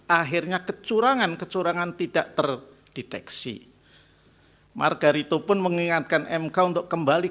akhirnya kecurangan kecurangan tidak terdeteksi margarito pun mengingatkan mk untuk kembali